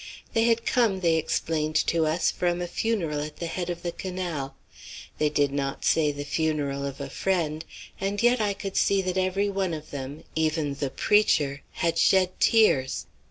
They had come, they explained to us, from a funeral at the head of the canal. They did not say the funeral of a friend, and yet I could see that every one of them, even the preacher, had shed tears.